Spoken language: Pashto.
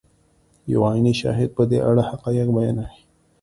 یو عیني شاهد په دې اړه حقایق بیانوي.